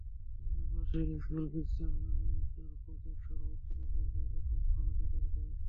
বার্ষিক স্কুল বিজ্ঞান মেলায় তার প্রজেক্ট সর্বোচ্চ নম্বর পেয়ে প্রথম স্থান অধিকার করেছে।